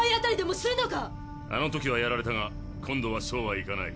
あの時はやられたが今度はそうはいかない。